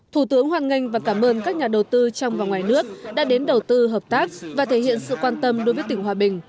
thủ tướng hoan nghênh và cảm ơn các nhà đầu tư trong và ngoài nước đã đến đầu tư hợp tác và thể hiện sự quan tâm đối với tỉnh hòa bình